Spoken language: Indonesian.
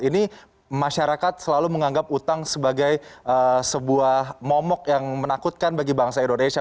ini masyarakat selalu menganggap utang sebagai sebuah momok yang menakutkan bagi bangsa indonesia